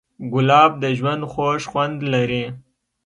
ګلاب د ژوند خوږ خوند لري.